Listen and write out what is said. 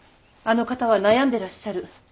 あの方は悩んでらっしゃる。